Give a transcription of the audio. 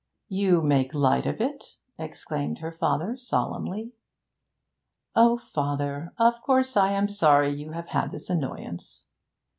'You make light of it?' exclaimed her father solemnly. 'O father, of course I am sorry you have had this annoyance.'